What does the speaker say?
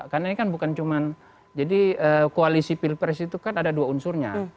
karena ini kan bukan cuma jadi koalisi pilpres itu kan ada dua unsurnya